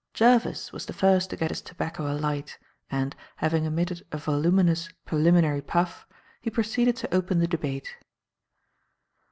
Jervis was the first to get his tobacco alight, and, having emitted a voluminous preliminary puff, he proceeded to open the debate.